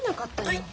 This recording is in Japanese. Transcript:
はい。